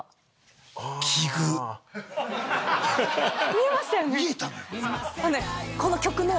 見えましたよね？